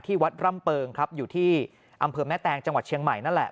วัดร่ำเปิงครับอยู่ที่อำเภอแม่แตงจังหวัดเชียงใหม่นั่นแหละ